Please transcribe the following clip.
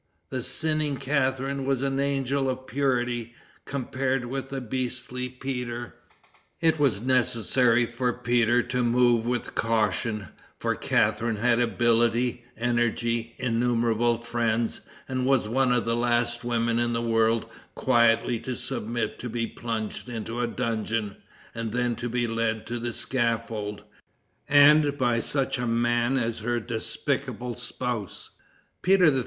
The sinning Catharine was an angel of purity compared with the beastly Peter. It was necessary for Peter to move with caution, for Catharine had ability, energy, innumerable friends, and was one of the last women in the world quietly to submit to be plunged into a dungeon, and then to be led to the scaffold, and by such a man as her despicable spouse. Peter III.